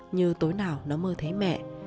như tối nào nó mơ thấy mẹ